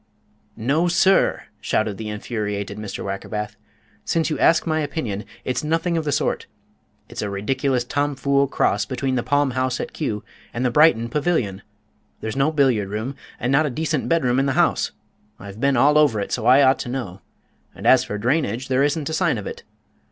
"No, sir!" shouted the infuriated Mr. Wackerbath; "since you ask my opinion, it's nothing of the sort! It's a ridiculous tom fool cross between the palm house at Kew and the Brighton Pavilion! There's no billiard room, and not a decent bedroom in the house. I've been all over it, so I ought to know; and as for drainage, there isn't a sign of it.